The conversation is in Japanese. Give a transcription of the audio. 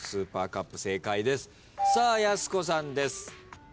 やす子さんです。